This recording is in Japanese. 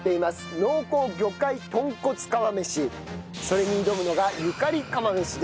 それに挑むのがゆかり釜飯です。